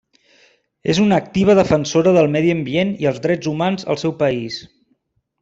És una activa defensora del medi ambient i els drets humans al seu país.